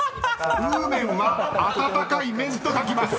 ［うーめんは温かい麺と書きます］